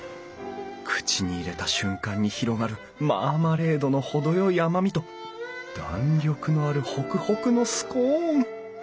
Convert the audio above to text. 口に入れた瞬間に広がるマーマレードの程よい甘みと弾力のあるホクホクのスコーン！